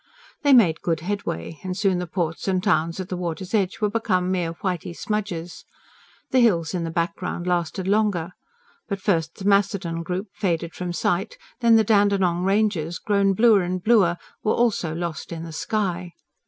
They made good headway, and soon the ports and towns at the water's edge were become mere whitey smudges. The hills in the background lasted longer. But first the Macedon group faded from sight; then the Dandenong Ranges, grown bluer and bluer, were also lost in the sky.